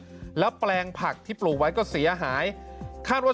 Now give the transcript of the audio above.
แต่อย่างต่อเนื่องแล้วแปลงผักที่ปลูกไว้ก็เสียหายคาดว่า